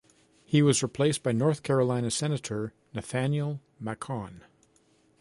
He was replaced by North Carolina senator Nathaniel Macon.